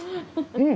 うん！